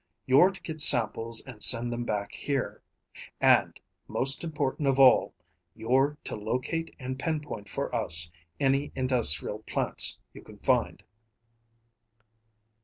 You're to get samples and send them back here. And most important of all, you're to locate and pinpoint for us any industrial plants you find."